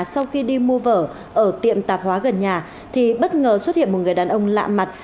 sau khi đi mua vở ở tiệm tạp hóa gần nhà thì bất ngờ xuất hiện một người đàn ông lạ mặt